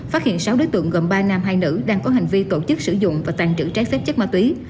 phát hiện sáu đối tượng gồm ba nam hai nữ đang có hành vi tổ chức sử dụng và tàn trữ trái phép chất ma túy